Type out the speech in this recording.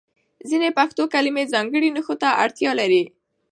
ځینې پښتو کلمې ځانګړي نښو ته اړتیا لري.